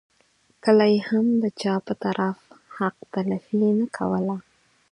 کله یې هم د چا په طرف حق تلفي نه کوله.